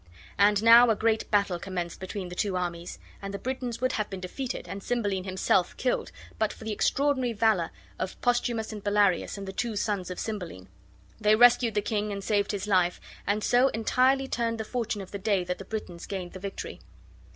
And now a great battle commenced between the two armies, and the Britons would have been defeated, and Cymbeline himself killed, but for the extraordinary valor of Posthumus and Bellarius and the two sons of Cymbeline. They rescued the king and saved his life, and so entirely turned the fortune of the day that the Britons gained the victory.